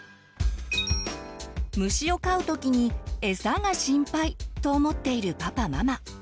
虫を飼う時にエサが心配！と思っているパパママ。